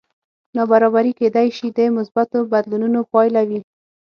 نابرابري کېدی شي د مثبتو بدلونونو پایله وي